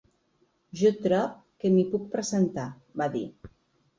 Jo trob que m’hi puc presentar, va dir.